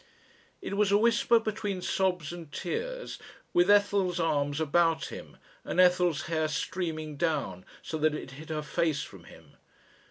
It was a whisper between sobs and tears, with Ethel's arms about him and Ethel's hair streaming down so that it hid her face from him.